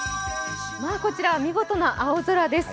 こちら、見事な青空です。